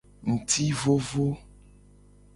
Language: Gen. Ngti vovo.